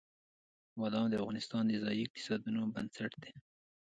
بادام د افغانستان د ځایي اقتصادونو بنسټ دی.